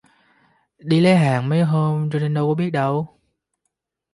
Đi lấy hàng mấy hôm cho nên đâu có biết đâu